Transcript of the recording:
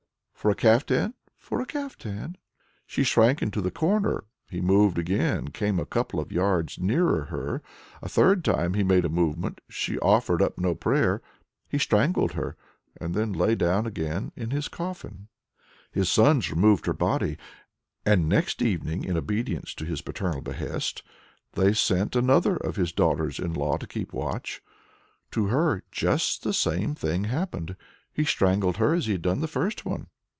"For a caftan?" "For a caftan." She shrank into the corner. He moved again, came a couple of yards nearer her. A third time he made a movement. She offered up no prayer. He strangled her, and then lay down again in his coffin. His sons removed her body, and next evening, in obedience to his paternal behest, they sent another of his daughters in law to keep watch. To her just the same thing happened: he strangled her as he had done the first one.